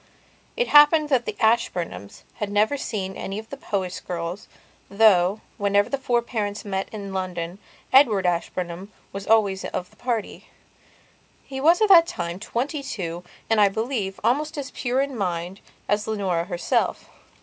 It happened that the Ashburnhams had never seen any of the Powys girls, though, whenever the four parents met in London, Edward Ashburnham was always of the party. He was at that time twenty two and, I believe, almost as pure in mind as Leonora herself.